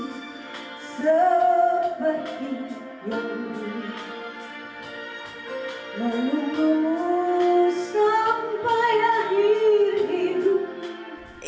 aku masih seperti ini menunggu sampai akhir hidup